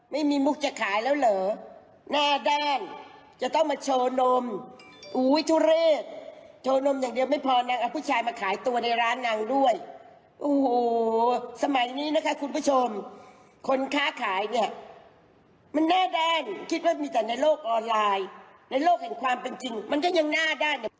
มันแน่แดงคิดว่ามีแต่ในโลกออนไลน์ในโลกเห็นความเป็นจริงมันก็ยังน่าได้เนี่ย